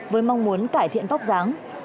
với mong muốn cải thiện tóc dáng